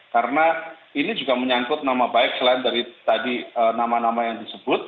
karena ini juga menyangkut nama baik selain dari tadi nama nama yang disebut